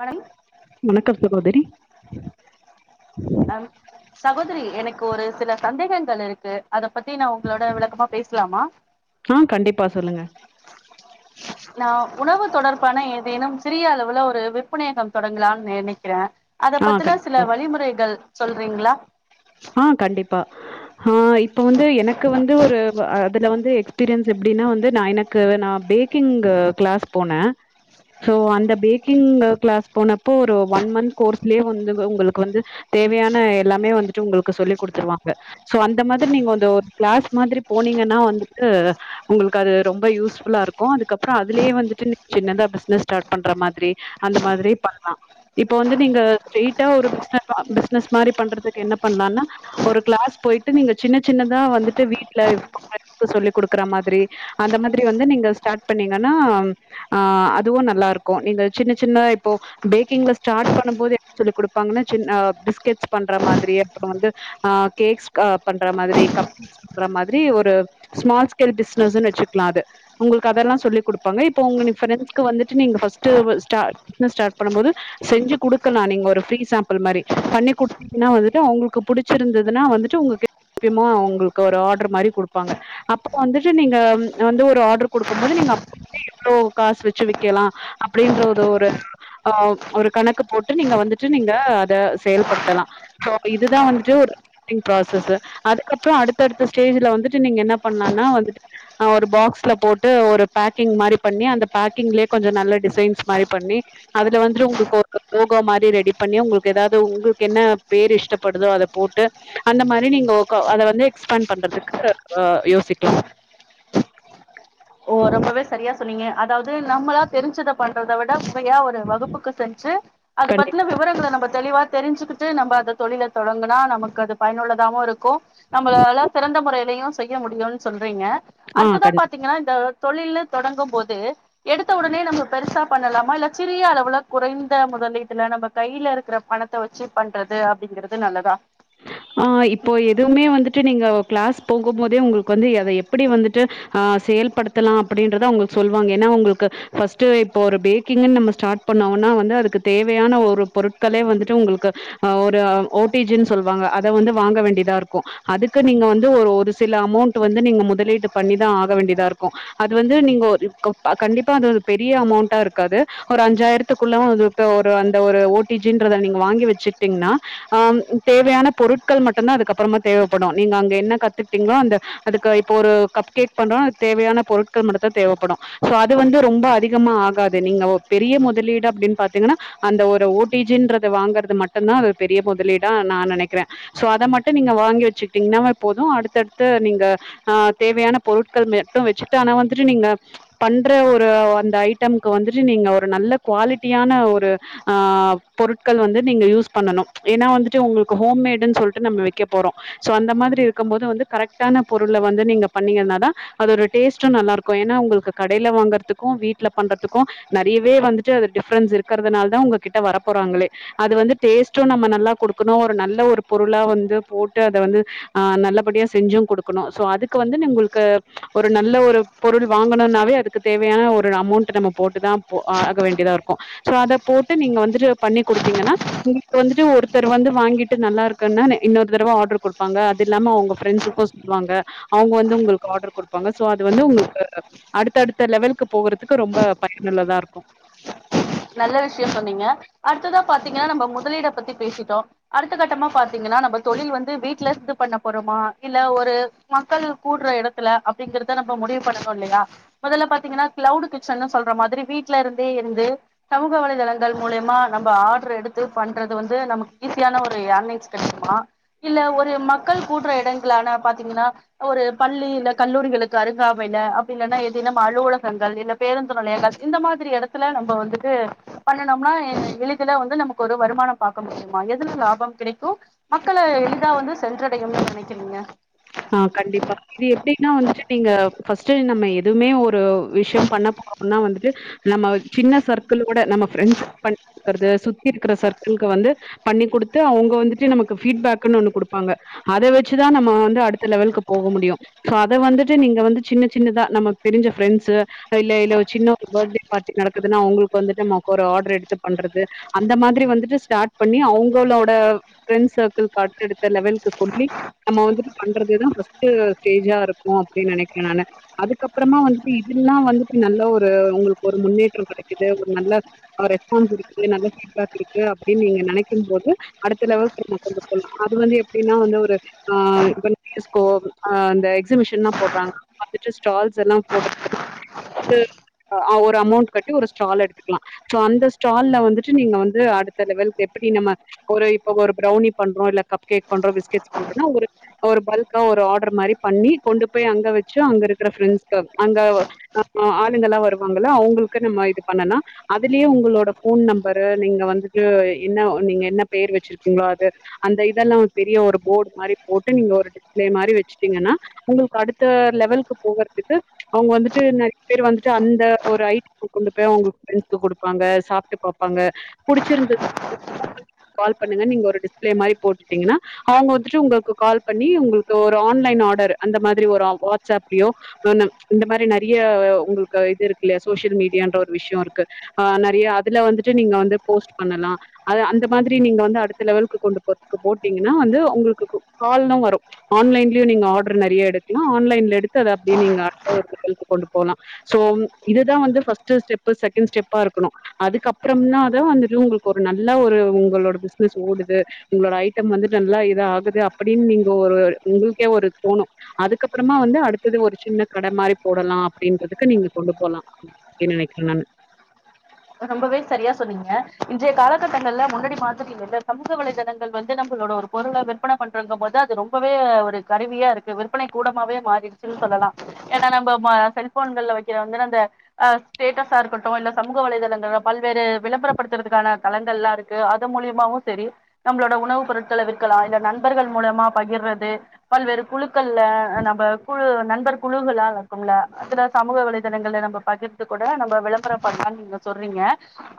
வணக் வணக்கம் சகோதிரி அ சகோதிரி எனக்கு ஒரு சில சந்தேகங்கள் இருக்கு அத பத்தி நா ஒங்களோட விளக்கமா பேசலாமா ஆ கண்டிப்பா சொல்லுங்க நா உணவு தொடர்பான ஏதேனு சிறிய அளவுல ஒரு விற்பநையகம் தொடங்கலானு நெனைக்கிறே அத ஆ பத்தின சில கண்டிப்பா. வழிமுறைகள் சொல்றீங்ளா ஆ கண்டிப்பா ஆ இப்ப வந்து எனக்கு வந்து ஒரு அதுல வந்து எக்ஸ்பீரியன்ஸ் எப்டின்னா வந்து நா எனக்கு நா பேக் கிங்கு கிளாஸ் போனே சோ அந்த பேக்கிங் கிளாஸ் போனப்போ ஒரு ஒன் மந்த் கோர்ஸ்லயே வந்து ஒங்ளுக்கு வந்து தேவையான எல்லாமே வந்துட்டு ஒங்ளுக்கு சொல்லி குடுத்துருவாங்க சோ அந்த மாதிரி நீங்க வந்து ஒரு கிளாஸ் மாதிரி போனீங்கன்னா வந்துட்டு ஒங்ளுக்கு அது ரொம்ப யூஸ் ஃபுல்லா இருக்கு அதுக்கப்றோ அதுலே வந்துட்டு நீங்க சின்னதா பிசினஸ் ஸ்டார்ட் பண்ற மாதிரி அந்த மாதிரியே பண்ணு இப்ப வந்து நீங்க ஸ்ட்ரைட்டா ஒரு பிசினஸா பிசினஸ் மாதிரி பண்றதுக்கு என்ன பண்லானா ஒரு கிளாஸ் பொயிட்டு நீங்க சின்ன சின்னதா வந்துட்டு வீட்ல [inaudible] சொல்லி குடுக்கற மாதிரி அந்த மாதிரி வந்து நீங்க ஸ்டார்ட் பண்ணீங்கன்னா ஆ அதுவு நல்லா இருக்கு நீங்க சின்ன சின்ன இப்போ பேக்கிங்ல ஸ்டார்ட் பண்ணும் போது என்ன சொல்லி குடுப்பாங்கன்னா சின்ன பிஸ்கெட்ஸ் பண்ற மாதிரியே அப்றோ வந்து அ கேக்ஸ் பண்ற மாதிரி கப் [unintelligible] மாதிரி ஒரு ஸ்மால் ஸ்கேல் பிசினஸ்ன் வெச்சுக்லா அது ஒங்ளுக்கு அதெல்லா சொல்லி குடுப்பாங்க இப்ப ஒங்கன ஃப்ரெண்ட்ஸ்க்கு வந்துட்டு நீங்க ஃபர்ஸ்ட்டு ஸ்டார்ட் பிசினஸ் ஸ்டார்ட் பண்ணும்போது செஞ்சி குடுக்லா நீங்க ஒரு ஃப்ரீ சாம்பிள் மாரி பண்ணி குடுத்தீங்கன்னா வந்துட்டு அவுங்ளுக் க்கு புடிச்சிருந்ததுன்னா வந்துட்டு ஒங்ளுக்கு [inaudible] ஒங்ளுக்கு ஒரு ஆட்ரு மாரி குடுப்பாங்க அப்ப வந்துட்டு நீங்க வந்து ஒரு ஆட்ரு குடுக்கம் போது நீங்க அப் ஏ இவ்ளோ காசு வெச்சி விக்கலா அப்டின்ற த ஒரு ஆ ஒரு கணக்கு போட்டு நீங்க வந்துட்டு நீங்க அத செயல்படுத்தலா சோ இது இதுதா வந்துட்டு ஒரு பேக்கிங் ப்ராசஸ்சு அதுக்கப்றோ அடுத்தடுத்த ஸ்டேஜுல வந்துட்டு நீங்க என்னா பண்லானா வந்துட்டு அ ஒரு பாக்ஸ்ல போட்டு ஒரு பேக்கிங் மாரி பண்ணி அந்த பேக்கிங்லே கொஞ்ச நல்ல டிசைன்ஸ் மாரி பண்ணி அதுல வந்துட்டு ஒங்ளுக்கு ஒரு லோகோ மாரி ரெடி பண்ணி ஒங்ளுக்கு எதாது ஒங்ளுக்கு என்ன பேர் இஷ்ட்ட படுதோ அத போட்டு அந்த மாரி நீங்க கோ அத வந்து எக்ஸ்பண்ட் பண்றதுக்கு யோசிக்லா ஓ ரொம்பவே சரியா சொன்னீங்க அதாவது நம்மளா தெரிஞ்சத பண்றத விட யா ஒரு வகுப்புக்கு செஞ்சி அது பத்தின கண்டிப்பா. விவரங்கள நம்ம தெளிவா தெரிஞ்சுக்கிட்டு நம்ம அத தொழில தொடங்குனா நமக்கு அது பயனுள்ளதாவு இருக்கு நம்மளால சிறந்த முறையிலயு செய்ய முடியுனு சொல்றீங்க ஆ அடுத்ததா கண்டிப்பா. பாத்தீங்கன்னா இந்த தொழில்னு தொடங்கம் போது எடுத்த உடனே நம்ம பெருசா பண்ணலாமா இல்ல சிறிய அளவுல குறைந்த முதலீட்டுல நம்ம கையில இருக்கிற பணத் த வச்சு பண்றது அப்படிங்கறது நல்லதா ஆ இப்போ எதுவுமே வந்துட்டு நீங்க கிளாஸ் போகும் போதே உங்களுக்கு வந்து அத எப்படி வந்துட்டு ‌ஆ செயல்படுத்தலா அப்படின்றத அவங்க சொல்லுவாங்க ஏன்னா உங்களுக்கு ஃபர்ஸ்ட் இப்ப ஒரு பேக்கிங் நம்ம ஸ்டார்ட் பண்ணவ்னா வந்து அதுக்கு தேவையான ஒரு பொருட்களே வந்துட்டு உங்களுக்கு ஒரு ஓ டீஜின் சொல்லுவாங்க அத வந்து வாங்க வேண்டியதா இருக்கூ அதுக்கு நீங்க வந்து ஒரு ஒரு சில அமௌண்ட் வந்து நீங்க முதலீட்டு பண்ணிதா ஆக வேண்டியதா இருக்கூ அது வந்து நீங்க ஓர் கண்டிப்பா அது பெரிய அமௌண்டா இருக்காது ஒரு அஞ்சாயிரத்துக்குள்ளவூ அது த்த ஒரு அந்த ஒரு ஓ டி ஜின்றத நீங்க வாங்கி வச்சுட்டீங்கன்னா ஆம் தேவையான பொருட்கள் மட்டுந்தா அதுக்கப்புறமா தேவைப்படூ நீங்க அங்க என்ன கத்துட்டீங்களோ அந்த அதுக்கு இப்போ ஒரு கப் கேக் பண்றோன்னா அது தேவையான பொருட்கள் மட்டுந்தா தேவைப்படூ சே அது வந்து ரொம்ப அதிகமா ஆகாது நீங்க பெரிய முதலீடு அப்டின்னு பாத்தீங்கன்னா அந்த ஒரு ஓ டி ஜின்றது வாங்குறது மட்டுந்தா அது பெரிய முதலீடா நான் நினைக்கிறோ சோ அத மட்டூ நீங்க வாங்கி வச்சுக்கிட்டீங்கன்னா போதூ அடுத்தடுத்த நீங்க ஆ தேவையான பொருட்கள் மட்டூ வச்சுட்டு ஆனா வந்துட்டு நீங்க பண்ற ஒரு அந்த ஐட்டம்கூ வந்துட்டு நீங்க ஒரு நல்ல குவாலிட்டியான ஒரு ஆ பொருட்கள் வந்து நீங்க யூஸ் பண்ணனோ ஏன்னா வந்துட் ஃபர்ஸ்ட்டு உங்களுக்கு ஹோம் மேடுன்னு சொல்லிட்டு நம்ம வைக்கப் போறோ சோ அந்த மாதிரி இருக்கூ போது வந்து கரெக்டான பொருள வந்து நீங்க பண்ணீங்கனாதா அதோட டேஸ்ட்டூ நல்லா இருக்கோ ஏன்னா உங்களுக்கு கடையில வாங்கறதுக்கூ வீட்ல பண்றதுக்கூ நறையவே வந்துட்டு அது டிஃப்ரென்ஸ் இருக்கறதுனால தா உங்ககிட்ட வர போறாங்களே அத வந்து டேஸ்ட்டூ நம்ம நல்லா கொடுக்கணு ஒரு நல்ல ஒரு பொருளா வந்து போட்டு அத வந்து ஆ நல்லபடியா செஞ்சூ கொடுக்கணூ சோ அதுக்கு வந்து நு உங்கள்க்கு ஒரு நல்ல ஒரு பொருள் வாங்கணும்னாவே அதுக்கு தேவையான ஒரு அமௌண்ட் நம்ம போட்டுதான் ப்போ ஆக வேண்டியதா இருக்கூ சோ அத போட்டு நீங்க வந்துட்டு பண்ணி கொடுத்தீங்கன்னா உங்களுக்கு வந்துட்டு ஒரு த்தர் வந்து வாங்கிட்டு நல்லா இருக்குன்னா இன்னொரு தடவை ஆர்டரு கொடுப்பாங்க ஒருத்தர் வந்து வாங்கிட்டு நல்லா இருக்குன்னா இன்னெரு தடவ ‌ஆடர் குடுப்பாங்க ‌அதில்லாம அவங்க ஃப்ரெண்ட்ஸூக்கூ சொல்லுவாங்க அவங்க வந்து உங்களுக்கு ஆர்டர் குடுப்பாங்க சோ அது வந்து உங்கள்க்கு அடுத் தடுத்த லெவலுக்கு போகறதுக்கு ரொம்ப பயன்ள்ளதா இருக்கூ நல்ல விஷயோ சென்னீங்க அடுத்ததா பாத்தீங்கன்னா நம்ம முதலீட பத்தி பேசிட்டோ அடுத்த கட்டமா பாத்தீங்கன்னா நம்ம தொழில் வந்து வீட்ல இருந்து பண்ண போறோமா இல்ல ஒரு மக்கள் கூட்ற எடத்துல அப்படிங்கறத நம்ம முடிவு பண்ணனோ இல்லயா முதல்ல பாத்தீங்கன்னா கிளவுடு கிச்சன்னு சொல்ற மாதிரி வீட்டுல இருந்தே இருந்து சமூக வலைதளங்கள் மூலியமா நம்ம ஆர்டர் எடுத்து பண்றது வந்து நமக்கு ஈஸியான ஒரு ஏர்னிங்ஸ் கிடைக்குமா இல்ல ஒரு மக்கள் கூட்ற எடங்களான பாத்தீங்கன்னா ஒரு பள்ளியில கல்லூரிகளுக்கு அருங்காமையில அப்டி இல்லன்னா எது நம்ம அலுவலகங்கள் இல்ல பேருந்து நிலைய பஸ் இந்த மாதிரி எடத்துல நம்ம வந்து இது பண்ணனம்னா எளிதுல வந்து நமக்கு ஒரு வருமானோ பார்க்க முடியுமா எதுல லாபம் கிடைக்கூ மக்கள எளிதா வந்து சென்றடையும்னு நினைக்கறீங்க ஆ கண்டிப்பா இது எப்படின்னா வந்துட்டு நீங்க ஃபஸ்ட் நம்ம எதுவுமே ஒரு விஷயே பண்ண பொரோப்ப தா வந்துட்டு நம்ம சின்ன சர்க்கிள்கூட நம்ம ஃபிரண்ட்ஸ் பண்ணிறது சுத்தி இருக்கிற சர்க்கிள்கு வந்து பண்ணி குடுத்து அவங்க வந்துட்டு நமக்கு பீட்பேக்ன்னு ஒண்ணு கொடுப்பாங்க அத வச்சுதா நம்ம வந்து அடுத்து அடுத்த லெவலுகக்கு போக முடியும் சோ அத வந்துட்டு நீங்க வந்து சின்ன சின்னதா நமக்கு தெரிஞ்ச ஃபிரெண்ட்ஸு இல்ல இல்ல ஒரு சின்ன ஒரு பர்த்டே பார்ட்டி நடக்குதுன்னா அவுங்களுக்கு வந்துட்டு நம்ம கோ ஒரு ஆர்டர் எடுத்து பண்றது அந்த மாதிரி வந்துட்டு ஸ்டார்ட் பண்ணி அவங்களோட ஃபிரண்ட்ஸ் சர்க்கிள்க்கு அடுத்தடுத்த லெவல்க்கு சொல்லி நம்ம வந்து பண்றதுதா ஃபர்ஸ்ட் ஸ்டேஜ்ஜா இருக்கூ அப்டின் நெனைக்கே நானு அதுக்கப்றமா வந்துட்டு இதுலா வந்துட்டு நல்ல ஒரு ஒங்ளுக்கு ஒரு முன்னேற்ற கெடைக்குது ஒரு நல்ல ரெஸ்பான்ஸ் இருக்கு நல்ல பீட்பேக் இருக்கு அப்டின் நீங்க நெனைக்கும் போது அடுத்தளவுக்கு நம்ம கொண்டுபோலா அது வந்து எப்டின்னா வந்து ஒரு ஆ [inaudible] ஆ அந்த எக்சிபிஷன்லா போட்றாங்க அடுத்து ஸ்டால்ஸ் எல்லா போட்றதுக்கு இது அ ஒரு அமௌண்ட் ஒரு ஸ்டால் எடுத்துக்லா சோ அந்த ஸ்டால்ல வந்துட்டு நீங்க வந்து அடுத்த லெவல்க்கு எப்டி நம்ம ஒரு இப்ப ஒரு பிரவுனி பண்றோ இல்ல கப் கேக் பண்றோ பிஸ்கெட் பண்றோனா ஒரு ஒரு பல்க்கா ஒரு ஆட்ரு மாரி பண்ணி கொண்டு போய் அங்க வெச்சி அங்க இருக்கிற ஃப்ரெண்ட்ஸ்க்க அங்க ஆ ஆளுங்களா வருவாங்கள அவுங்ளுக்கு நம்ம இது பண்ணனா அதுலயே ஒங்களோட ஃபோன் நம்பரு நீங்க வந்துட்டு என்னா நீங்க என்ன பேர் வச்சிருக்கீங்களோ அது அந்த இதெல்லா பெரிய ஒரு போர்டு மாரி போட்டு நீங்க ஒரு இதே மாதிரி வெச்சிட்டீங்கன்னா ஒங்ளுக்கு அடுத்த லெவலுக்கு போகறதுக்கு அவங்க வந்துட்டு நிறைய பேர் வந்துட்டு அந்த ஒரு ஐடி கொண்டு போய் அவங்க ஃப்ரெண்ட்ஸ்க்கு குடுப்பாங்க சாப்ட்டு பாப்பாங்க புடிச்சிருந்தது கால் பண்ணுங்க நீங்க ஒரு டிஸ்பிளே மாரி போட்டுட்டீங்ன்னா அவங்க வந்துட்டு ஒங்கள்க்கு கால் பண்ணி ஒங்களுக்கு ஒரு ஆன்லைன் ஆர்டரு அந்த மாதிரி ஒரு ஆள் வாட்ஸ் அப்லயு வேணா இந்த மாரி நெறைய ஒங்ளுக்கு இது இருக்கு இல்லயா சோசியல் மீடியான்ற ஒரு விஷய இருக்கு ஆ நெறையா அதுல வந்துட்டு நீங்க வந்து போஸ்ட் பண்ணலா அதா அந்த மாதிரி நீங்க வந்து அடுத்த லெவலுக்கு கொண்டு போறதுக்கு போட்டீங்ன்னா வந்து ஒங்ளுக்கு கால்னா வரு ஆன்லைன்லயு நீங்க ஆட்ரு நெறையா எடுக்லா ஆன்லைன்ல எடுத்து அப்டியே நீங்க அடுத்த ஊரு கிட்டயு கொண்டு போலா சோ இதுதா வந்து ஃபர்ஸ்ட்டு ஸ்டெப்பு செகண்ட் ஸ்டெப்பா இருக்குணு அதுக்கப்றமாதா வந்துட்டு ஒங்ளுக்கு நல்ல ஒரு ஒங்களோட பிசினஸ் ஓடுது ஒங்களோட ஐட்டம் வந்து நல்லா இதா ஆகுது அப்டின் நீங்க ஒரு ஒங்ளுக்கே ஒரு தோணு அதுக்கப்றமா வந்து அடுத்தது ஒரு சின்ன கட மாரி போடலா அப்டின்றதுக்கு நீங்க கொண்டு போலா என்ன நெனக்றீங்கனு ரொம்பவே சரியா சொன்னீங்க இன்றைய காலகட்டங்கள்ல முன்னாடி பாத்துட்டீங்க சமூக வலைதளங்கள் வந்து நம்மளோட ஒரு பொருள விற்பன பண்றங்கபோது அது ரொம்பவே ஒரு கருவியா இருக்கு விற்பனை கூடமாவே மாறிடுச்சுன்னு சொல்லலா ஏனா நம்ம வா செல்போன்கள வைக்கிற அந்த அ ஸ்டேட்டஸா இருக்கட்டு இல்ல சமூக வலைதளங்கள பல்வேறு விளம்பரப்படுத்றதுக்கான தளங்கள் இருக்கு அது மூலியமாவு செரி நம்மளோட உணவுப் பொருட்கள விக்கலா இல்ல நண்பர்கள் மூலமா பகிர்றது பல்வேறு குழுக்கள்ல நம்ம குழு நண்பர் குழுகளா இருக்கும்லா [unintelligible] சமூக வலைதளங்கள் நம்ம பக்கிர்துகூட நம்ம விள பரம் பண்ணலான்னு நீங்க சொல்றீங்க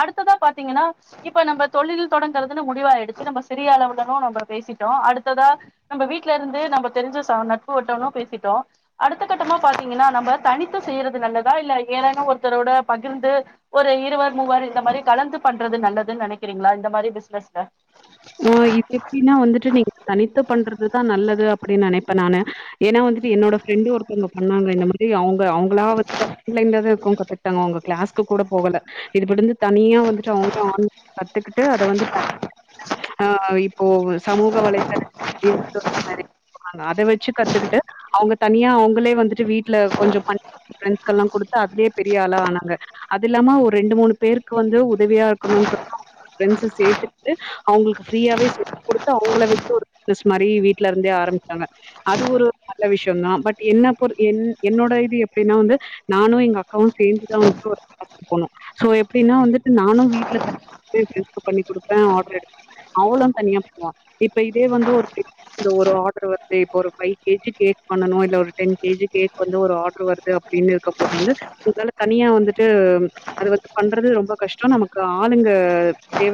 அடுத்ததா பாத்தீங்கன்னா இப்ப நம்ம தொழில் தொடங்கறதுன்னு முடிவா எடுத்து நம்ம சிறிய அளவுடனு நம்ம பேசிட்டோ அடுத்ததா நம்ம வீட்டுல இருந்து நம்ம தெரிஞ்ச ச நட்பு வட்டோனு பேசிட்டோ அடுத்த கட்டமா பாத்தீங்கன்னா நம்ம தனித்து செய்யறது நல்லதா இல்ல ஏதான்னா ஒருத்தரோட பகிர்ந்து ஒரு இருவர் மூவர் இந்த மாரி கலந்து பண்றது நல்லதுன்னு நெனைக்கிறீங்களா இந்த மாரி பிசினஸ்ல ஓ இது எப்டின்னா வந்துட்டு நீங்க தனித்து பண்றதுதா நல்லது அப்டின்னு நெனைப்பே நானு ஏன்னா வந்துட்டு என்னோட ஃப்ரெண்ட் ஒருத்தவங்க பண்ணாங்க இந்த மாரி அவ்ங்க அவங்களா வந்துட்டு ஆன்லை தா இருக்கு [unintelligible] ட்டாங்க அவங்க கிளாஸ்கு கூட போகல இதுபடிந்து தனியா வந்துட்டு அவங்கள ஆன் கத்துக்கிட்டு அத வந்து ஆ இப்போ சமூக வலைதள [inaudible] அத வச்சி கத்துக்கிட்டு அவங்க தனியா அவங்களே வந்துட்டு வீட்ல கொஞ்ச பண ஃப்ரெண்ட்ஸ்க்கெல்லா குடுத்தா அதுலே பெரிய ஆளா ஆனாங்க அது இல்லாம ஒரு ரெண்டு மூணு பேருக்கு வந்து உதவியா இருக்குனு சொல்ட்டு [inaudible] ஃப்ரெண்ட்ஸு சேத்து ட்டு அவுங்ளுக்கு ஃப்ரீயாவே [inaudible] குடுத்து அவங்கள வெச்சி ஒரு பிசினஸ் மாரி வீட்ல இருந்தே ஆரம்பிச்சாங்க அது ஒரு நல்ல விஷதா பட் என்ன பொறு என் என்னோட இது எப்டினா வந்து நானு எங்க அக்காவு சேந்திதா வந்துட்டு ஒடச்சோ போனோ சோ எப்டின்னா வந்துட்டு நானு வீட்ல தனியா ஃப்ரெண்ட்ஸ்க்கு பண்ணிகுடுப்பே ஆட்ரு எடுப்பே அவளு தனியா போவா இப்ப இதே வந்து ஒரு பெரிய இந்த ஒரு ஆட்ரு வந்து இப்ப ஒரு பைவ் கேஜி கேக் பண்ணனு இல்ல ஒரு டென் கேஜி கேக் வந்து ஒரு ஆட்ரு வருது அப்டின்னு இருக்கும் போது வந்து ஒங்களால தனியா வந்துட்டு அது வந்து பண்றது ரொம்ப கஷ்ட்டோ நமக்கு ஆளுங்க தேவ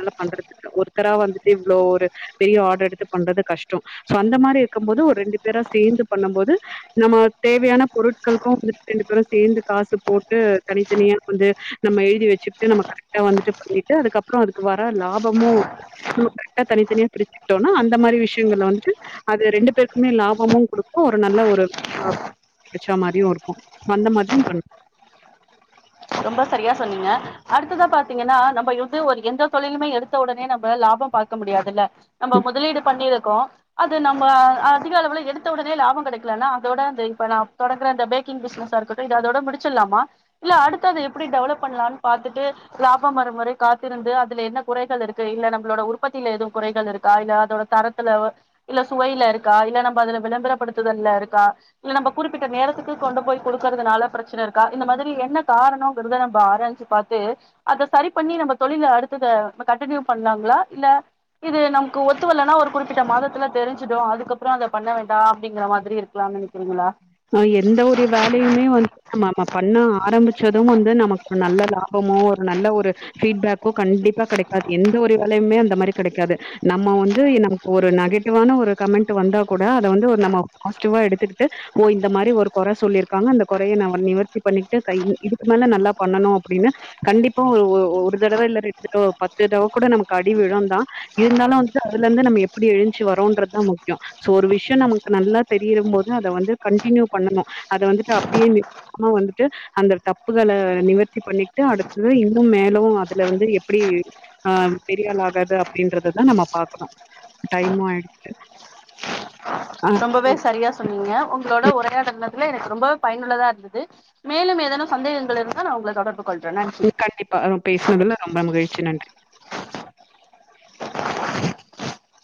எல்லா பண்றதுக்கு ஒருத்தரா வந்துட்டு இவ்ளோ ஒரு பெரிய ஆர்டர் எடுத்து பண்றது கஷ்டோ சோ அந்த மாரி இருக்கு போது ஒரு ரெண்டு பேரா சேந்து பண்ணம் போது நம்ம தேவையான பொருட்களுக்கு வந்துட்டு ரெண்டு பேரு சேந்து காசு போட்டு தனித்தனியா வந்து நம்ம எழுதி வச்சுட்டு நம்ம கரெக்டா வந்துட்டு பண்ணிட்டு அதுக்கப்புற அதுக்கு வர லாபமு நம கரெக்டா தனித்தனியா பிரிச்சக்கிட்டோணு அந்த மாரி விஷயங்கள வந்துட்டு அது ரெண்டு பேருக்குமே லாபமு குடுக்கு ஒரு நல்ல ஒரு அ கச்சா மாரியு இருக்கு அந்த மாரியு பண் ரொம்ப சரியா சொன்னீங்க அடுத்ததா பாத்தீங்கன்னா நம்ம யுந்து ஒரு எந்த தொழிலுமே எடுத்த உடனே நம்ம லாபம் பாக்க முடியாதுல்ல நம்ம முதலீடு பண்ணியிருக்கோ அது நம்ம அதிக அளவில எடுத்த உடனே லாபோ கெடக்கலனா அதோட அந்த இப்ப நா தொடங்குற அந்த பே க்கிங் பிஸினஸா இருக்கட்டு இது அதோட முடிச்சிடலாமா இல்ல அடுத்த அத எப்டி டெவலப் பண்ணலான்னு பாத்துட்டு லாபம் வரும்வரை காத்திருந்து அதுல என்ன குறைகள் இருக்கு இல்ல நம்மளோட உற்பத்தியில எதுவு குறைகள் இருக்கா இல்ல அதோட தரத் தில இல்ல சுவையில இருக்கா இல்ல நம்ம அதுல விளம்பரப்படுத்துதல்ல இருக்கா இல்ல நம்ம குறிப்பிட்ட நேரத்துக்கு கொண்டு போய் கொடுக்கறதுனால பிரச்சனை இருக்கா இந்த மாரி என்ன காரணோங்கிறத நம்ம ஆராஞ்ச்சு பாத்து அத சரி பண்ணி நம்ம தொழில அடுத்தத கண்டினியூ பண்ணலாங்களா இல்ல இது நமக்கு ஒ த்துவல்லான்னா ஒரு குறிப்பிட்ட மாதத்துல தெரிஞ்சிடு அதுக்கப்புற அதை பண்ண வேண்டா அப்டிங்கிற மாரி இருக்காலான்னு நெனைக் நா எந்த ஒரு வேலையுமே வந்து நம்ம நம்ம பண்ண ஆரம்பிச்சதும் வந்து நமக்கு ஒரு நல்ல லாபமோ ஒரு நல்ல ஒரு ஃபீட்பேக்கு கண்டிப்பா கெடைக்காது எந்த ஒரு வேலையுமே அந்த மாரி கெடைக்காது நம்ம வந்து நமக்கு ஒரு நெகட்டிவான ஒரு கமெண்ட் வந்தா கூட அதை வந்து ஒரு நம்ம பாசிட்டிவா எடுத்துக்கிட்டு ஓ இந்த மாரி ஒரு கொறை சொல்லியிருக்காங்க அந்த கொறையை நாம நிவர்த்தி பண்ணிக்கிட்டு கைல இதுக்கு மேல நல்லா பண்ணனு அப்டின்னு கண்டிப்பா ஒ ஒ ஒரு தடவ இல்ல ரெண்டு தடவ பத்து தடவ கூட நமக்கு அடி விழு தா இருந்தாலு வந்துட்டு அதுல இருந்து நம்ம எப்டி எழுஞ்சு வரோன்றதுதா முக்கியோ சோ ஒரு விஷயோ நமக்கு நல்லா தெரியுறம் போது அதை வந்து கண்டினியூ பண்ணணு அதை வந்துட்டு அப்டியே நி ஆனா வந்துட்டு அந்த தப்புகளை நிவர்த்தி பண்ணிட்டு அடுத்தது இன்னு மேலு அதுல வந்து எப்டி ஆ பெரிய ஆள் ஆகறது அப்டின்றததா நம்ம பாக்கணு டைமோ ஆயிடுச்சிடு ரொம்பவே சரியா சொன்னீங்க உங்களோட உரையாடன இல்ல எனக்கு ரொம்பவே பயனுள்ளதா இருந்தது மேலும் ஏதேனூ சந்தேகங்கள் இருந்தா நா உங்கள தொடர்பு கொல்றானோ ம் கண்டிப்பா நம் பேசினதுல ரொம்ப மகிழ்ச்சி நன்றி